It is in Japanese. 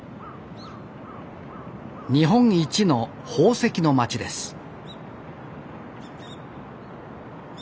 日本一の宝石の街です